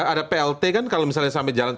ada plt kan kalau misalnya sampai jalan